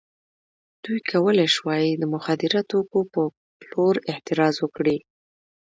دوی کولای شوای د مخدره توکو په پلور اعتراض وکړي.